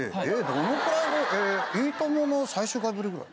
どのくらいの『いいとも！』の最終回ぶりぐらい？